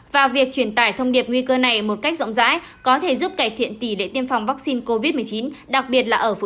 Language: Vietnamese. và việc truyền tải thông điệp nguy cơ này một cách rộng rãi có thể giúp cải thiện tỷ lệ tiêm phòng vaccine covid một mươi chín đặc biệt là ở phú quốc